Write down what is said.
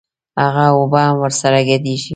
هغه اوبه هم ورسره ګډېږي.